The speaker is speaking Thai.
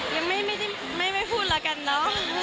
ยังไม่มีหุ้นแล้วกันนะ